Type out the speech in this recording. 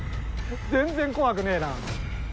全然怖くねえな。